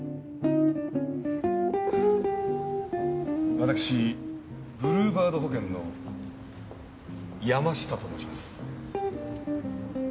私ブルーバード保険の山下と申します。